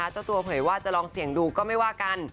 เจ้าตัวเผยว่าจะลองเสี่ยงดูก็ไม่ว่ากัน